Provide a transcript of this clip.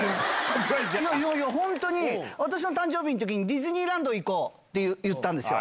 いやいや、本当に、私の誕生日のときに、ディズニーランド行こうって言ったんですよ。